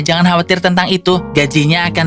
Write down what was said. jangan khawatir tentang itu gajinya akan